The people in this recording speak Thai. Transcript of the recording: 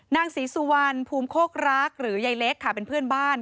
นางศรีสุวรรณภูมิโคกรักหรือยายเล็กค่ะเป็นเพื่อนบ้าน